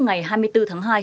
ngày hai mươi bốn tháng hai